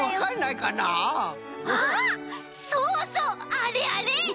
そうそうあれあれ！